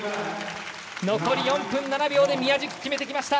残り４分７秒で宮食決めていきました。